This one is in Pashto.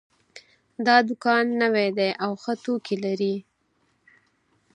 دا دوکان نوی ده او ښه توکي لري